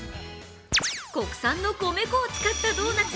国産の米粉を使ったドーナツ